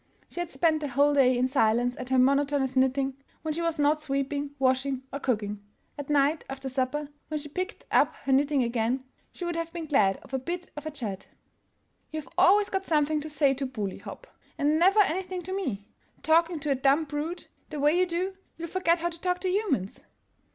She had spent the whole day in silence at her monotonous knitting, when she was not sweeping, washing, or cooking. At night, after supper, when she picked up her knitting again, she would have been glad of a bit of a chat. 1 ' You 've always got something to say to Buli, Hopp, and never anything to me ! Talking to a dumb brute the way you do, you'll forget how to talk to humans!